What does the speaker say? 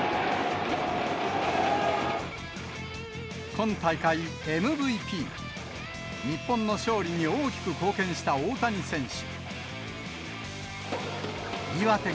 今大会ＭＶＰ、日本の勝利に大きく貢献した大谷選手。